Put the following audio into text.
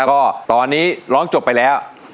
แล้วก็ตอนนี้ร้องจบไปแล้ว